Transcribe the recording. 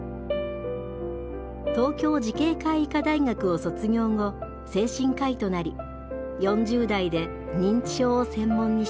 東京慈恵会医科大学を卒業後精神科医となり４０代で認知症を専門にします。